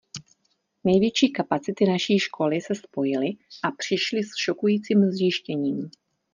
Největší kapacity naší školy se spojily a přišly s šokujícím zjištěním.